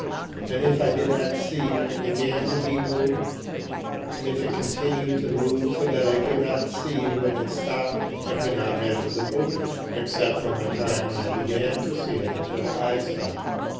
And if I did not see when it began to be moved, and if it continued to move so that I could not see when it stopped, I could not measure the movement, except from the time when I began to see it until I stopped.